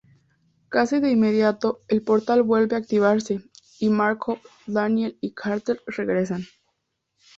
Casi de inmediato, el Portal vuelve activarse, y Markov, Daniel y Carter regresan.